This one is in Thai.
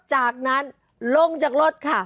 จากนั้นลงจากรถค่ะ